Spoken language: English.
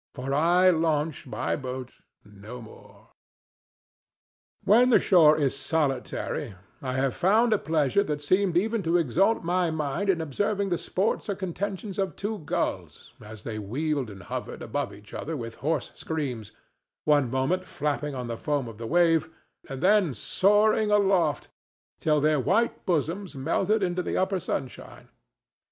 For I launch my boat no more. When the shore was solitary, I have found a pleasure that seemed even to exalt my mind in observing the sports or contentions of two gulls as they wheeled and hovered about each other with hoarse screams, one moment flapping on the foam of the wave, and then soaring aloft till their white bosoms melted into the upper sunshine.